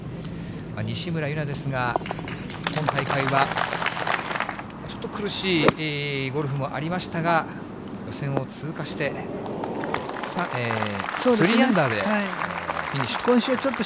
西村優菜ですが、今大会はちょっと苦しいゴルフもありましたが、予選を通過して、３アンダーでフィニッシュと。